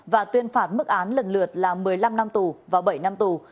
và tuyên phạt mức án lần lượt là một mươi năm năm tù và bảy năm tù